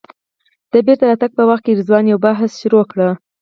د بېرته راتګ په وخت رضوان یو بحث پیل کړ.